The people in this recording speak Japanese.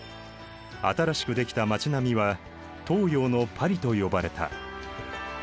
新しくできた町並みは東洋のパリと呼ばれた。